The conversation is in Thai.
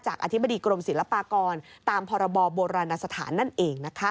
จากอธิบดีกรมศิลปากรตามพบโบรณสถานนั่นเองนะคะ